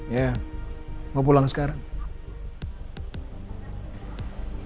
ya mau pulang sekarang